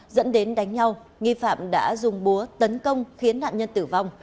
dẫn đến đánh nhau nghi phạm đã dùng búa tấn công khiến nạn nhân tử vong